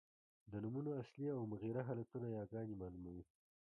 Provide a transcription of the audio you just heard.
د نومونو اصلي او مغیره حالتونه یاګاني مالوموي.